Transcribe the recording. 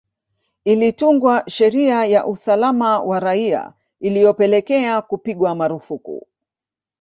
Ilitungwa sheria ya usalama wa raia ilyopelekea kupigwa marufuku